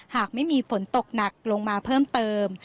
หากไม่มีฝนตกหนักลงมาเพิ่มเติม